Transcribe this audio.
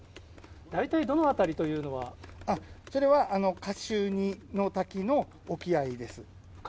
大体、どの辺りというのは？それはカシュニの滝の沖合です。